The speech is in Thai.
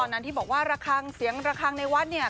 ตอนนั้นที่บอกว่าราคางเสียงดังกระทบเนวัด